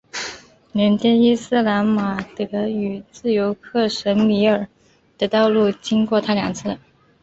连接伊斯兰马巴德与自由克什米尔的道路经过它两次。